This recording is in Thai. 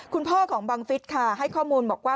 คุณพ่อของบังฟิศค่ะให้ข้อมูลบอกว่า